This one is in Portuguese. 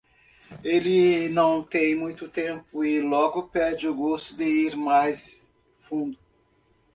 Ele não tem muito tempo e logo perde o gosto de ir mais fundo.